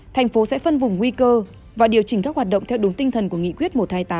tăng cơ và điều chỉnh các hoạt động theo đúng tinh thần của nghị quyết một trăm hai mươi tám